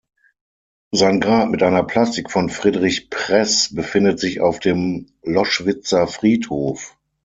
Sein Grab mit einer Plastik von Friedrich Press befindet sich auf dem Loschwitzer Friedhof.